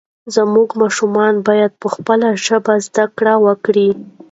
زموږ ماشومان باید په خپله ژبه زده کړه وکړي.